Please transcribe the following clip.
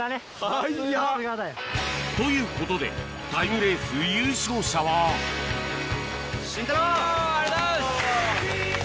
速っ！ということでタイムレース優勝者はありがとうございます！